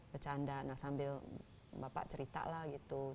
bercanda nah sambil bapak cerita lah gitu